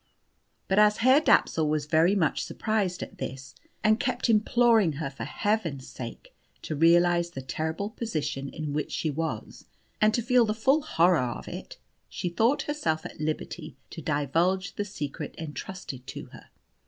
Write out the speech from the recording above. But as Herr Dapsul was very much surprised at this, and kept imploring her for Heaven's sake to realize the terrible position in which she was, and to feel the full horror of it, she thought herself at liberty to divulge the secret entrusted to her.